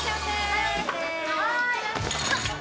はい！